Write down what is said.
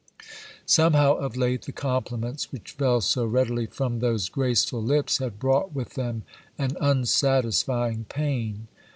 Somehow, of late, the compliments which fell so readily from those graceful lips had brought with them an unsatisfying pain.